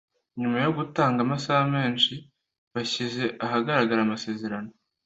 nyuma yo gutanga amasaha menshi, bashyize ahagaragara amasezerano